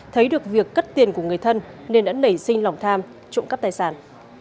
thấy được việc cất tiền của người thân nên đã nảy sinh lòng tham trộm cắp tài sản